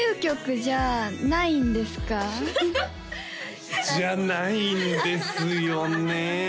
じゃないんですよね